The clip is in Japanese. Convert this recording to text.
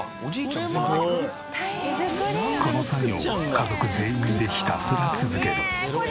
この作業を家族全員でひたすら続ける。